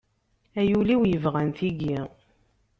Ay ul-iw yebɣan tigi.